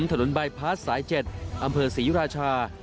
สนุนใบพลาดสายเจ็ดอำเภอศรีราชา